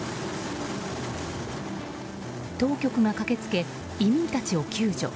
当局が駆け付け、移民たちを救助。